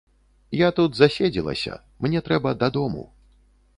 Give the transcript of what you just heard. Я тут заседзелася, мне трэба дадому.